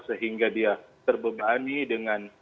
sehingga dia terbebani dengan